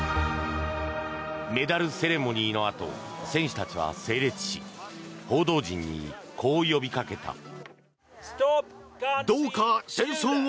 メダルセレモニーのあと選手たちは整列し報道陣に、こう呼びかけた。